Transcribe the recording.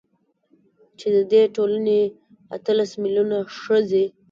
چـې د دې ټـولـنې اتـلس مـيلـيونـه ښـځـې .